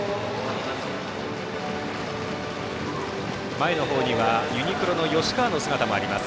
前の方にはユニクロの吉川の姿もあります。